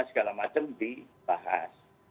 segala macam dibahas